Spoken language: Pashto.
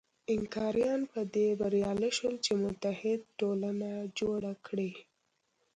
اینکاریان په دې بریالي شول چې متحد ټولنه جوړه کړي.